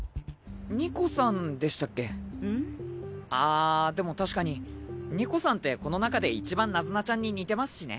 あでも確かにニコさんってこの中で一番ナズナちゃんに似てますしね。